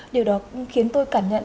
điều đó khiến tôi cảm nhận